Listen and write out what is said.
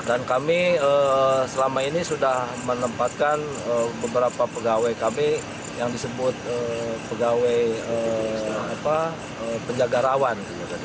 dan kami selama ini sudah menempatkan beberapa pegawai kami yang disebut pegawai penjaga rawan